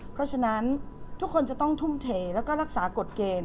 เพราะฉะนั้นทุกคนจะต้องทุ่มเทแล้วก็รักษากฎเกณฑ์